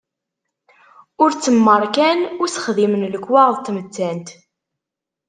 Ur tt-mmarkan ur s-xdimen lekwaɣeḍ n tmettant.